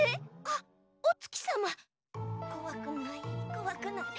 あっおつきさま？こわくないこわくない。